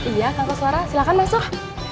iya kak koswara silakan masuk